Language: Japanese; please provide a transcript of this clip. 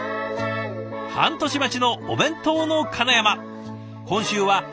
半年待ちのお弁当のかなやま。